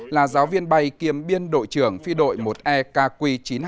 là giáo viên bay kiêm biên đội trưởng phi đội một e kq chín trăm hai mươi